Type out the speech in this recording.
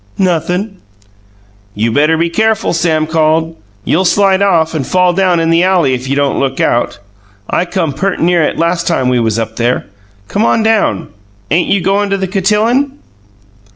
"Nothin'." "You better be careful!" Sam called. "You'll slide off and fall down in the alley if you don't look out. I come pert' near it last time we was up there. Come on down! Ain't you goin' to the cotillon?"